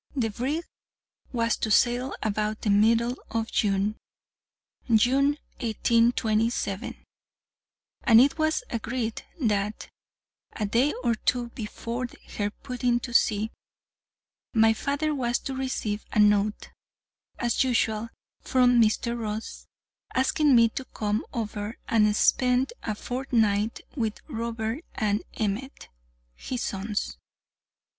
The brig was to sail about the middle of June (June, 1827), and it was agreed that, a day or two before her putting to sea, my father was to receive a note, as usual, from Mr. Ross, asking me to come over and spend a fortnight with Robert and Emmet (his sons).